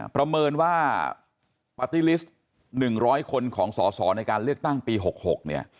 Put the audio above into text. ประเมินว่าปาร์ตี้ลิสต์๑๐๐คนของสอสอในการเลือกตั้งปี๖๖เนี่ย